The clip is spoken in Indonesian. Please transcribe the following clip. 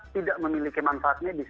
tidak memiliki manfaat medis